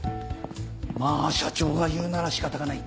まぁ社長が言うなら仕方がない。